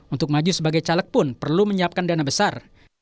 untuk maju sebagai caleg pun perlu menyiapkan dana besar